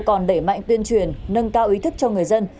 còn đẩy mạnh tuyên truyền nâng cao ý thức cho người dân